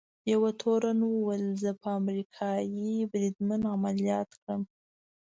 یوه تورن وویل: زه به امریکايي بریدمن عملیات کړم.